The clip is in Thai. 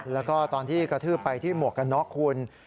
แล้วก็ตอนที่กระทืบไปที่หมวกกันน็อกคุณ